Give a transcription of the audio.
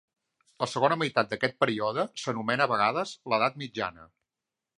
La segona meitat d'aquest període s'anomena a vegades l'edat mitjana.